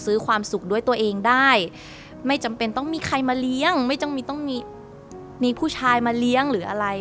ความสุขด้วยตัวเองได้ไม่จำเป็นต้องมีใครมาเลี้ยงไม่ต้องมีต้องมีมีผู้ชายมาเลี้ยงหรืออะไร